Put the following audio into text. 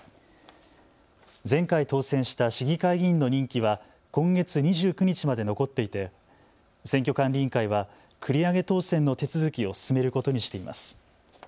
前回当選した市議会議員の任期は今月２９日まで残っていて選挙管理委員会は繰り上げ当選の手続きを進めることにしています。